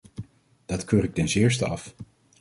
Dat keur ik ten zeerste af.